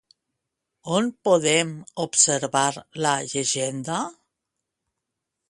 On podem observar la llegenda?